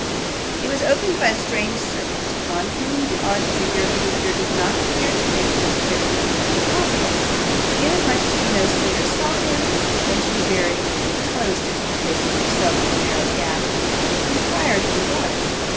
It was opened by a strange servant, on whom the odd figure of the visitor did not appear to make the most favourable impression possible, inasmuch as she no sooner saw him than she very nearly closed it, and placing herself in the narrow gap, inquired what he wanted.